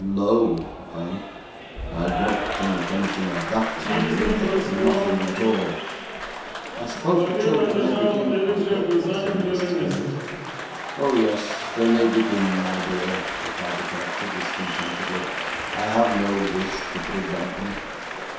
Lo, eh? I don't think anything of that language nothing at all.' 'I suppose the children may begin, uncle?' said Mrs. Kenwigs. 'Oh yes; they may begin, my dear,' replied the collector, discontentedly. 'I have no wish to prevent them.